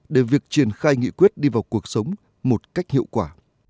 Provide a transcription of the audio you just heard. để việc triển khai nghị quyết đi vào cuộc sống một cách hiệu quả